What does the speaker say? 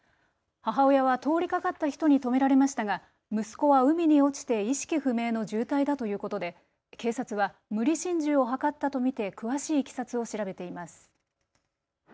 母親は通りかかった人に止められましたが息子は海に落ちて意識不明の重体だということで警察は無理心中を図ったと見て詳しいいきさつを調べています。